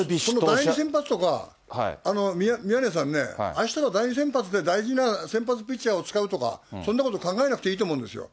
第２先発とか、宮根さんね、あしたの第２先発で、大事な先発ピッチャーを使うとか、そんなこと考えなくていいと思うんですよ。